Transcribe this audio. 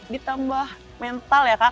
ditambah mental ya kak